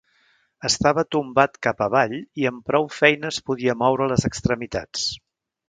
Estava tombat cap avall i amb prou feines podia moure les extremitats.